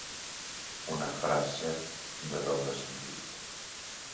Una frase de doble sentit.